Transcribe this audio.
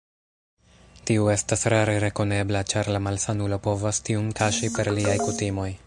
Tiu estas rare rekonebla, ĉar la malsanulo povas tiun kaŝi per liaj kutimoj.